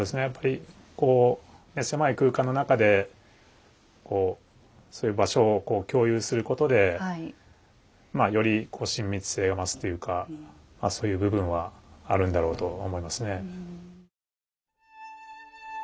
やっぱりこう狭い空間の中でそういう場所を共有することでまあより親密性が増すというかそういう部分はあるんだろうと思いますね。